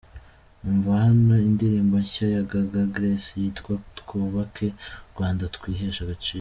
Umva hano indirimbo nshya ya Gaga Grace yitwa Twubake u Rwanda twihesha agaciro.